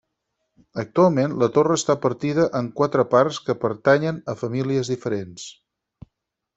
Actualment, la torre està partida en quatre parts que pertanyen a famílies diferents.